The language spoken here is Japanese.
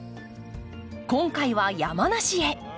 今回は山梨へ。